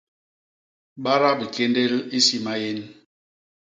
Bada bikéndél i si maén.